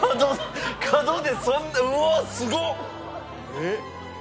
えっ！